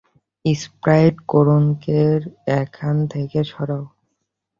Sprite, কারুনকে এখান থেকে সরাও!